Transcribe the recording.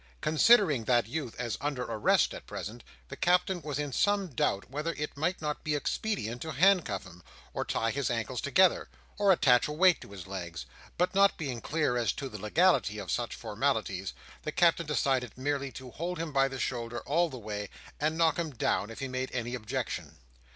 Considering that youth as under arrest at present, the Captain was in some doubt whether it might not be expedient to handcuff him, or tie his ankles together, or attach a weight to his legs; but not being clear as to the legality of such formalities, the Captain decided merely to hold him by the shoulder all the way, and knock him down if he made any objection.